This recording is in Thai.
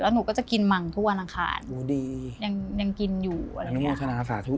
แล้วหนูก็จะกินมังทุกวันอังคารหนูดียังยังกินอยู่อะไรอย่างนี้อันโนโมธนาสาธุ